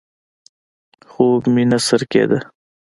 خوب مې نه سر کېده.